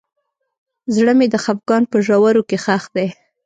زړه مې د خفګان په ژورو کې ښخ دی.